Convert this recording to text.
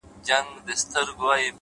زما د دوو سترگو ډېوو درپسې ژاړم!!